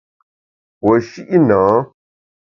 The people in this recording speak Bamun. Puo shi’ nâ.